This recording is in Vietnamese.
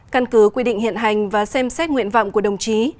căn cứ quy định hiện hành và xem xét nguyện vọng của đồng chí